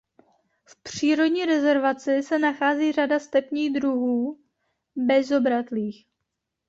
V přírodní rezervaci se nachází řada stepních druhů bezobratlých.